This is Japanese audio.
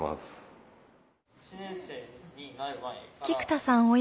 菊田さん